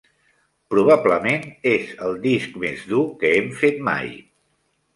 Probablement, és el disc més dur que hem fet mai.